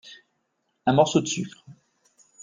un morceau de sucre.